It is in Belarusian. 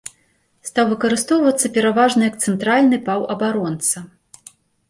Стаў выкарыстоўвацца пераважна як цэнтральны паўабаронца.